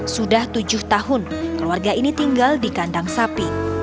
sudah tujuh tahun keluarga ini tinggal di kandang sapi